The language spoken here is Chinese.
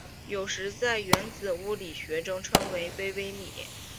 有时在原子物理学中称为微微米。